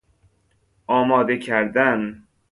آماده کردن